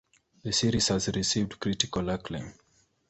The series has received critical acclaim.